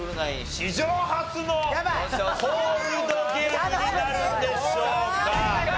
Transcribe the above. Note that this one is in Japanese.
史上初のコールドゲームになるんでしょうか？